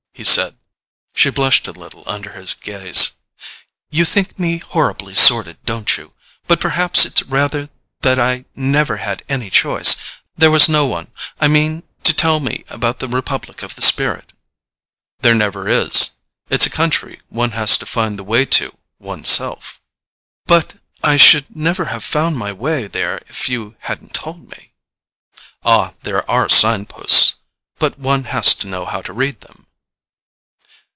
he said. She blushed a little under his gaze. "You think me horribly sordid, don't you? But perhaps it's rather that I never had any choice. There was no one, I mean, to tell me about the republic of the spirit." "There never is—it's a country one has to find the way to one's self." "But I should never have found my way there if you hadn't told me." "Ah, there are sign posts—but one has to know how to read them."